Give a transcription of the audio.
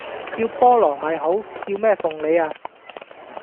叫菠蘿咪好！叫咩鳳梨呀